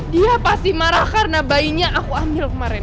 dia pasti marah karena bayinya aku ambil kemarin